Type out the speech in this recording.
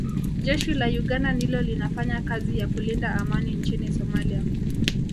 Jeshi la Uganda ndilo linafanya kazi ya kulinda Amani nchini Somalia